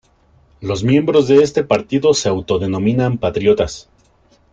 Los miembros de este partido se autodenominaban patriotas.